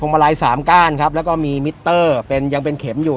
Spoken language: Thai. พวงมาลัยสามก้านครับแล้วก็มีเป็นยังเป็นเข็มอยู่